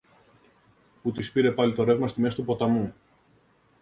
που τις πήρε πάλι το ρεύμα στη μέση του ποταμού.